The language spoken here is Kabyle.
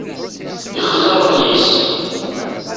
Ixla ṛṛay-is.